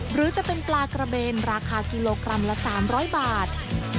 หรือจะเป็นปลากระเบนราคากิโลกรัมละ๓๐๐บาท